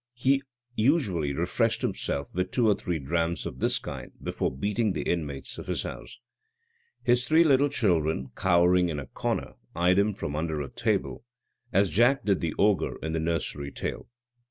He usually refreshed himself with two or three drams of this kind before beating the inmates of his house. His three little children, cowering in a corner, eyed him from under a table, as Jack did the ogre in the nursery tale.